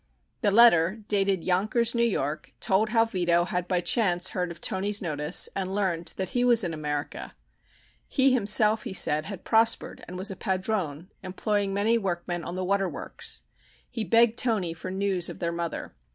The letter, dated Yonkers, New York, told how Vito had by chance heard of Toni's notice and learned that he was in America. He himself, he said, had prospered and was a padrone, employing many workmen on the water works. He begged Toni for news of their mother.